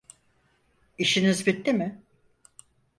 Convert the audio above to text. İşiniz bitti mi?